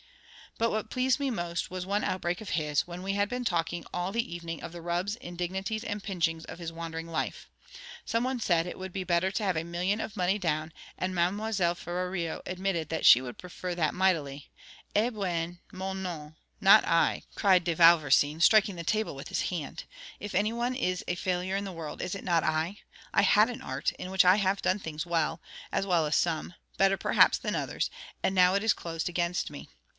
But what pleased me most was one outbreak of his, when we had been talking all the evening of the rubs, indignities, and pinchings of his wandering life. Some one said, it would be better to have a million of money down, and Mlle. Ferrario admitted that she would prefer that mightily. 'Eh bien, moi non;—not I,' cried De Vauversin, striking the table with his hand. 'If any one is a failure in the world, is it not I? I had an art, in which I have done things well—as well as some—better perhaps than others; and now it is closed against me.